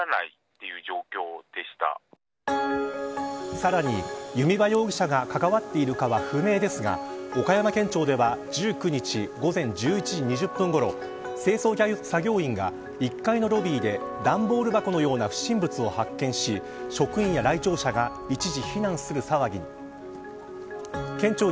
さらに、弓場容疑者が関わっているかは不明ですが岡山県庁では１９日午前１１時２０分ごろ清掃作業員が、１階のロビーで段ボール箱のような不審物を発見し、職員や来庁者が一時、避難する騒ぎに。